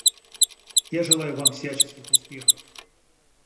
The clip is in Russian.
Я желаю вам всяческих успехов.